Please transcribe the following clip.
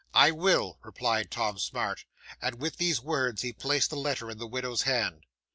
'"I will," replied Tom Smart; and, with these words, he placed the letter in the widow's hand.